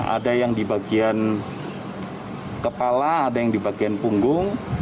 ada yang di bagian kepala ada yang di bagian punggung